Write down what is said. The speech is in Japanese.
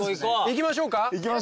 行きましょうか。